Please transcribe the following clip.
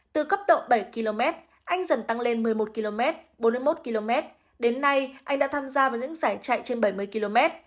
từ cấp độ bảy km anh dần tăng lên một mươi một km bốn mươi một km đến nay anh đã tham gia vào những giải chạy trên bảy mươi km